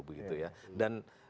begitu ya dan